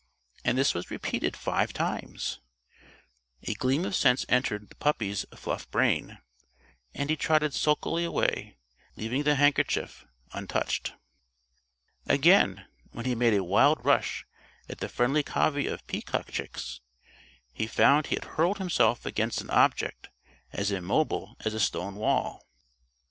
After this was repeated five times, a gleam of sense entered the puppy's fluff brain, and he trotted sulkily away, leaving the handkerchief untouched. Again, when he made a wild rush at the friendly covey of peacock chicks, he found he had hurled himself against an object as immobile as a stone wall.